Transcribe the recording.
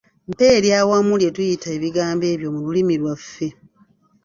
Mpa ery’awamu lye tuyita ebigambo ebyo mu lulimi lwaffe.